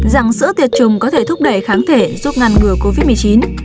rằng sữa tiệt trùng có thể thúc đẩy kháng thể giúp ngăn ngừa covid một mươi chín